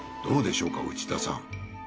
どうでしょうか内田さん。